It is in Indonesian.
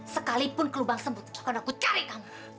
sekalipun ke lubang sembut akan aku cari kamu